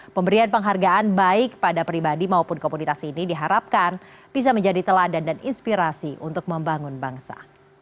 pemberian penghargaan baik pada pribadi maupun komunitas ini diharapkan bisa menjadi teladan dan inspirasi untuk membangun bangsa